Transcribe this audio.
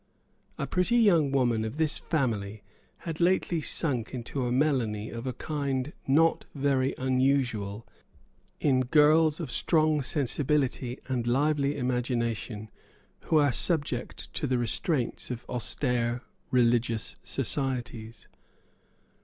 A pretty young woman of this family had lately sunk into a melancholy of a kind not very unusual in girls of strong sensibility and lively imagination who are subject to the restraints of austere religious societies.